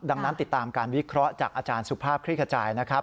ดังนั้นติดตามการวิเคราะห์จากอาจารย์สุภาพคลิกขจายนะครับ